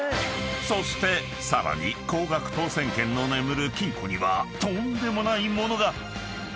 ［そしてさらに高額当せん券の眠る金庫にはとんでもない物が］